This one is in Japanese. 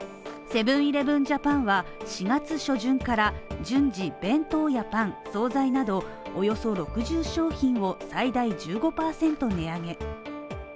セブン−イレブン・ジャパンは４月初旬から順次、弁当やパン、総菜などおよそ６０商品を最大１５％値上げ。